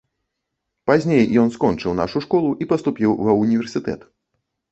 Пазней ён скончыў нашу школу і паступіў ва ўніверсітэт.